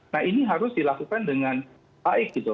nah ini harus dilakukan dengan baik gitu